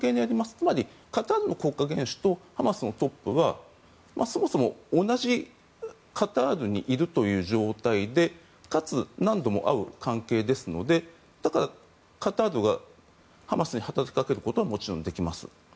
つまりカタールの国家元首とハマスのトップがそもそも同じカタールにいるという状態でかつ、何度も会う関係ですのでだからカタールがハマスに働きかけることはもちろんできます。